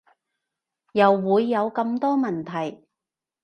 又會有咁多問題